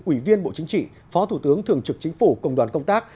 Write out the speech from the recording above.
ủy viên bộ chính trị phó thủ tướng thường trực chính phủ công đoàn công tác